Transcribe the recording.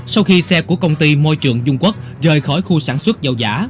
sau khi xe của công ty môi trường dung quốc rời khỏi khu sản xuất dầu giả